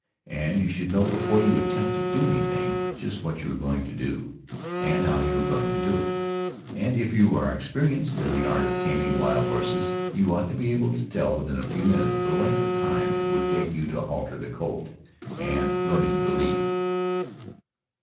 And you should know before you attempt to do anything, just what you are going to do, and how you are going to do it. And, if you are experienced in the art of taming wild horses, you ought to be able to tell within a few minutes the length of time it would take you to halter the colt, and learn him to lead.